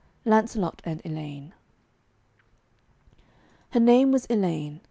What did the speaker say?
LANCELOT AND ELAINE Her name was Elaine.